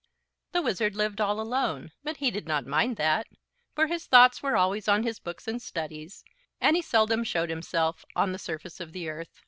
The Wizard lived all alone; but he did not mind that, for his thoughts were always on his books and studies, and he seldom showed himself on the surface of the earth.